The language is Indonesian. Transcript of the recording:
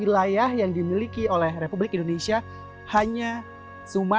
saya tsuk laba dan jaga